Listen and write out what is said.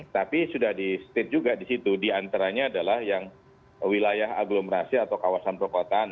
tapi sudah di state juga di situ diantaranya adalah yang wilayah aglomerasi atau kawasan perkotaan